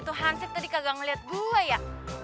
tuhan siap tadi kagak ngeliat gue ya